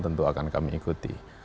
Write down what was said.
tentu akan kami ikuti